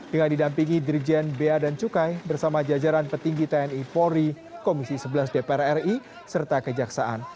dengan didampingi dirjen bea dan cukai bersama jajaran petinggi tni polri komisi sebelas dpr ri serta kejaksaan